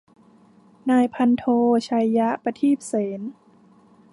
นายพันโท ไชย ประทีบเสน